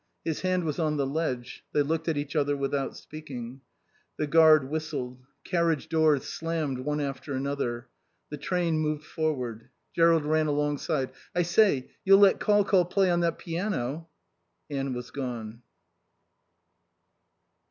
His hand was on the ledge. They looked at each other without speaking. The guard whistled. Carriage doors slammed one after another. The train moved forward. Jerrold ran alongside. "I say, you'll let Col Col play on that piano?" Anne was gone.